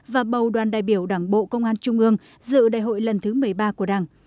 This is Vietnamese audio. và bầu đoàn đại biểu đảng bộ công an trung ương dự đại hội lần thứ một mươi ba của đảng